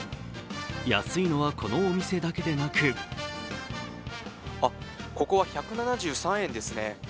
安いのはこのお店だけでなくここは１７３円ですね。